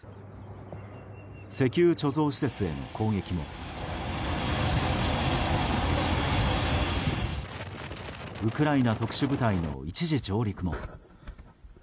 石油貯蔵施設への攻撃もウクライナ特殊部隊の一時上陸も。